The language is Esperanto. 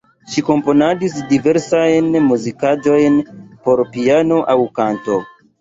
Ŝi komponadis diversajn muzikaĵojn por piano aŭ kanto.